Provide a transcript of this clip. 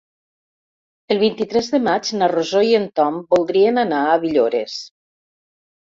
El vint-i-tres de maig na Rosó i en Tom voldrien anar a Villores.